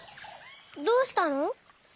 どうしたの？